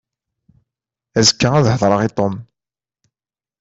Azekka ad hedreɣ i Tom.